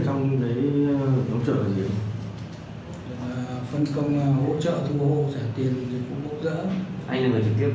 phòng cảnh sát hình sự công an tp hà nội cho biết